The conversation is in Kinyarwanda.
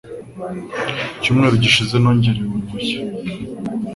Icyumweru gishize nongerewe uruhushya.